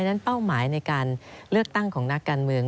เป้าหมายในการเลือกตั้งของนักการเมือง